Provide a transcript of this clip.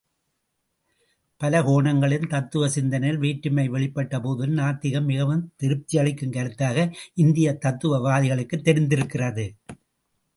பல கோணங்களில் தத்துவ சிந்தனையில் வேற்றுமை வெளிப்பட்ட போதிலும் நாத்திகம் மிகவும் திருப்தியளிக்கும் கருத்தாக இந்திய தத்துவவாதிகளுக்குத் தெரிந்திருக்கிறது.